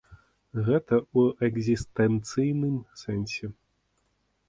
Гэта ў экзістэнцыйным сэнсе.